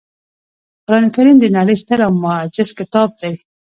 قرانکریم د نړۍ ستر او معجز کتاب دی